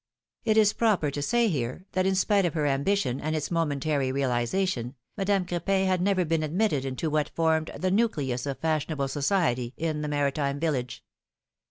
It is proper to say here, that in spite of her ambition and its momentary realization, Madame Cr4pin had never PHILOMilNE's MARRIAGES. 63 been admitted into what formed the nucleus of fashionable society in the maritime village.